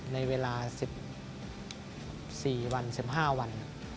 ในเวลา๑๔วัน๑๕วัน